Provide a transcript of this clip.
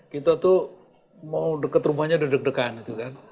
kita tuh mau deket rumahnya udah deg degan itu kan